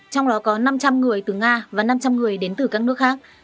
trong đó có năm trăm linh người từ nga và năm trăm linh người đến từ các nước khác